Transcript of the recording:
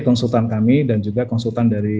konsultan kami dan juga konsultan dari